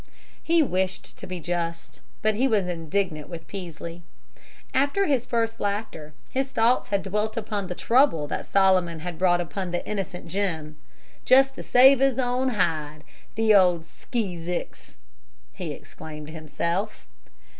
He wished to be just. But he was indignant with Peaslee. After his first laughter, his thoughts had dwelt upon the trouble that Solomon had brought upon the innocent Jim, "just to save his own hide, the old skee zicks!" he exclaimed to himself.